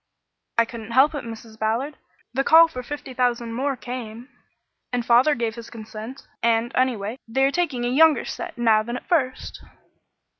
"I couldn't help it, Mrs. Ballard. The call for fifty thousand more came, and father gave his consent; and, anyway, they are taking a younger set now than at first."